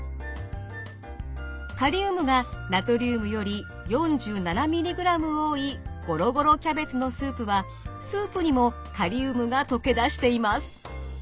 カリウムがナトリウムより４７ミリグラム多いごろごろキャベツのスープはスープにもカリウムが溶け出しています。